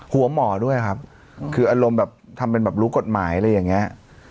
หัวหมอด้วยครับคืออารมณ์แบบทำเป็นแบบรู้กฎหมายอะไรอย่างนี้